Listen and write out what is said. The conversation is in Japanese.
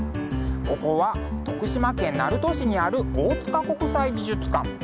ここは徳島県鳴門市にある大塚国際美術館。